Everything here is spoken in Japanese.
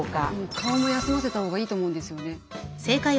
顔も休ませたほうがいいと思うんですよね。